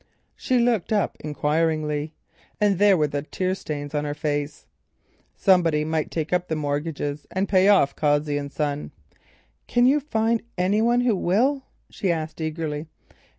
She looked up enquiringly, and there were the tear stains on her face. "Somebody might take up the mortgages and pay off Cossey and Son." "Can you find anyone who will?" she asked eagerly.